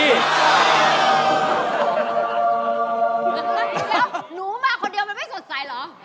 เดี๋ยวหนูมาคนเดียวมันไม่สดใสเหรอ